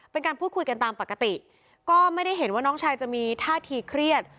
เป็นการพูดคุยกันตามปกติก็ไม่ได้เห็นว่าน้องชายจะมีท่าทีเครียด